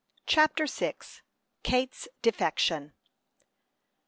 CHAPTER VI. KATE'S DEFECTION.